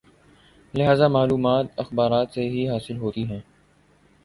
لہذا معلومات اخبارات سے ہی حاصل ہوتی ہیں۔